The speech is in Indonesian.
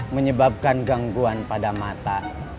menyebabkan gangguan pada mata